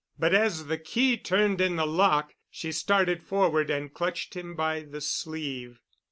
But as the key turned in the lock, she started forward and clutched him by the sleeve.